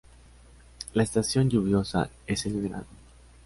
La estación lluviosa es el verano.